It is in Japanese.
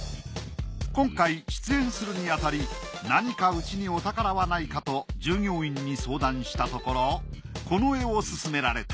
今回出演するにあたり何かうちにお宝はないかと従業員に相談したところこの絵を薦められた。